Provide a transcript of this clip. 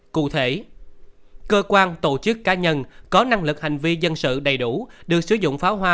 cụ thể cơ quan tổ chức cá nhân có năng lực hành vi dân sự đầy đủ được sử dụng pháo hoa